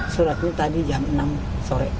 suratnya tadi jam enam sore